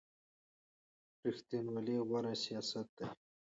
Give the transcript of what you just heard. ریښتینولي غوره سیاست دی.